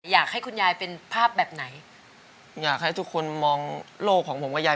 มันก็ไม่ได้เป็นอุปสรรคมากครับเพราะว่าผมเคยร้องประกวดตอนเด็กเนี่ยครับ